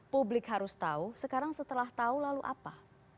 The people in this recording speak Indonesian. publik harus tahu sekarang setelah tahu lalu apa